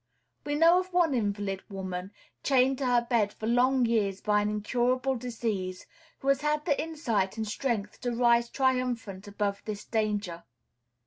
We know of one invalid woman, chained to her bed for long years by an incurable disease, who has had the insight and strength to rise triumphant above this danger.